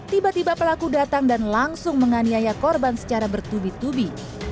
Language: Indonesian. tiba tiba pelaku datang dan langsung menganiaya korban secara bertubi tubi